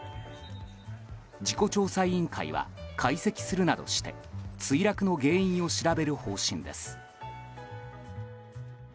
事故調査委員会は解析するなどして墜落の原因を調べる方針です。